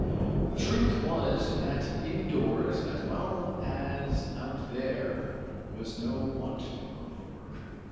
The truth was that indoors as well as out there was no want of work.